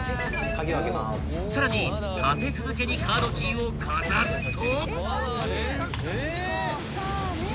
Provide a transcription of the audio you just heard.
［さらに立て続けにカードキーをかざすと］